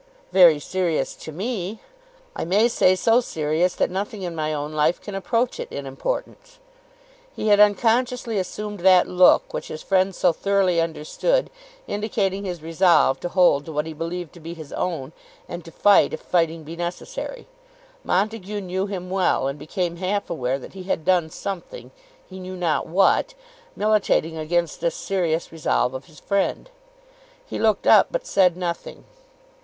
"Very serious to me. I may say so serious that nothing in my own life can approach it in importance." He had unconsciously assumed that look, which his friend so thoroughly understood, indicating his resolve to hold to what he believed to be his own, and to fight if fighting be necessary. Montague knew him well, and became half aware that he had done something, he knew not what, militating against this serious resolve of his friend. He looked up, but said nothing.